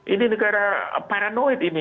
ini negara paranoid ini